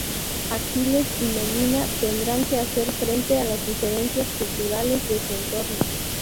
Aquiles y Melina tendrán que hacer frente a las diferencias culturales de su entorno.